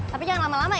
tapi jangan lama lama ya